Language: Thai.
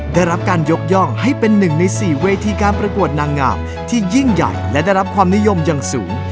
ได้รับการยกย่องให้เป็นหนึ่งใน๔เวทีการประกวดนางงามที่ยิ่งใหญ่และได้รับความนิยมอย่างสูง